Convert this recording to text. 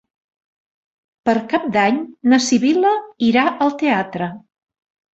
Per Cap d'Any na Sibil·la irà al teatre.